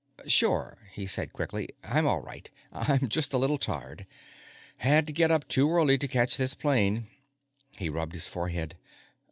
"Sure," he said quickly, "I'm all right. I'm just a little tired. Had to get up too early to catch this plane." He rubbed his forehead.